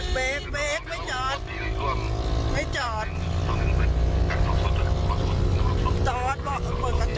จอดบอกเค้าเปิดระจกไม่ได้